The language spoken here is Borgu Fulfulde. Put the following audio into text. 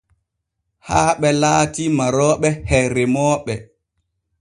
Haaɓe laati marooɓe he remmoɓe.